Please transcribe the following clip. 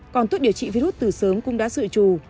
còn thuốc điều trị virus từ sớm cũng đã dự trù